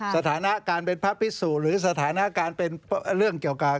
สถานะการเป็นพระพิสุหรือสถานการณ์เป็นเรื่องเกี่ยวกับ